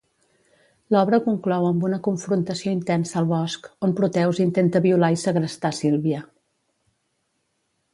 L'obra conclou amb una confrontació intensa al bosc, on Proteus intenta violar i segrestar Sílvia.